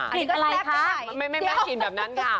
ยังสร้างค่ายไหมเดี๋ยวไม่แม่กลิ่นแบบนั้นค่ะ